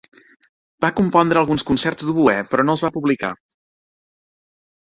Va compondre alguns concerts d'oboè, però no els va publicar.